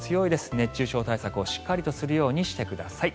熱中症対策をしっかりとするようにしてください。